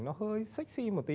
nó hơi sexy một tí